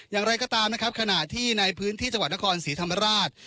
อย่างไรก็ตามนะครับขณะที่ในพื้นที่จังหวัดนครศรีธรรมราช